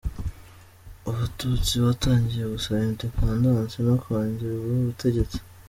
Abatutsi batangiye gusaba independansi no kongererwa ubutegetsi